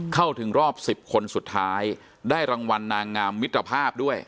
เข้าถึงรอบ๑๐คนสุดท้ายได้รางวัลนางงามมิตรภาพด้วย